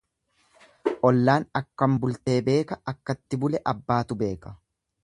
Ollaan akkam bultee beeka akkatti bule abbaatu beeka.